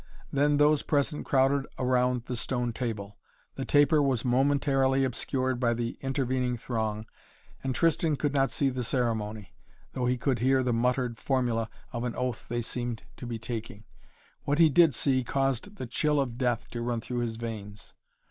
Then those present crowded around the stone table. The taper was momentarily obscured by the intervening throng, and Tristan could not see the ceremony, though he could hear the muttered formula of an oath they seemed to be taking. What he did see caused the chill of death to run through his veins.